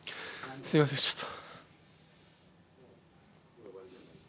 すみませんちょっと。